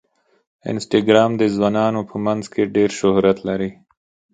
انسټاګرام د ځوانانو په منځ کې ډېر شهرت لري.